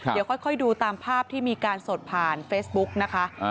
เดี๋ยวค่อยดูตามภาพที่มีการสดผ่านเฟซบุ๊กนะคะ